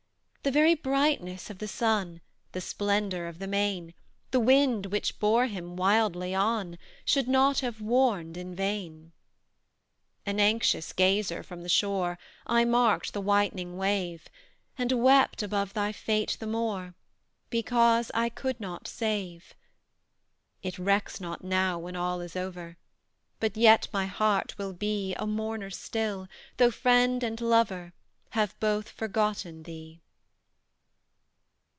The very brightness of the sun The splendour of the main, The wind which bore him wildly on Should not have warned in vain. An anxious gazer from the shore I marked the whitening wave, And wept above thy fate the more Because I could not save. It recks not now, when all is over: But yet my heart will be A mourner still, though friend and lover Have both forgotten thee!